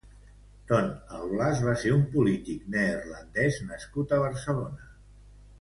Ton Alblas va ser un polític neerlandès nascut a Barcelona.